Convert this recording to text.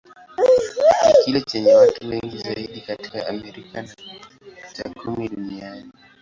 Ni kile chenye watu wengi zaidi katika Amerika, na cha kumi duniani.